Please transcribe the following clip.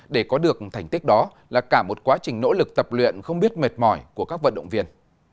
để có được thành tích đó là cả một quá trình nỗ lực tập luyện không biết mệt mỏi của các vận động viên